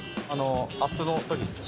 アップの時ですか？